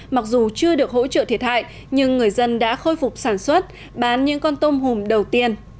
mặc dù chưa được hỗ trợ thiệt hại nhưng người dân đã khôi phục sản xuất bán những con tôm hùm đầu tiên